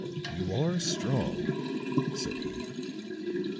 "You are strong," said he.